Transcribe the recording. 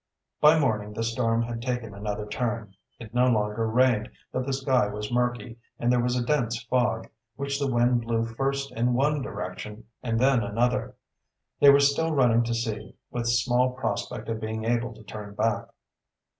By morning the storm had taken another turn. It no longer rained, but the sky was murky, and there was a dense fog, which the wind blew first in one direction, and then another. They were still running to sea, with small prospect of being able to turn back.